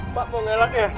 mbak mau ngelak ya